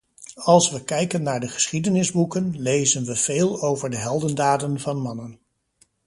Als we kijken naar de geschiedenisboeken, lezen we veel over de heldendaden van mannen.